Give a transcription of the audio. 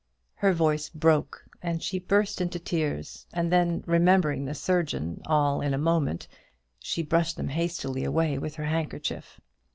Her voice broke, and she burst into tears; and then, remembering the surgeon all in a moment, she brushed them hastily away with her handkerchief.